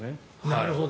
なるほど。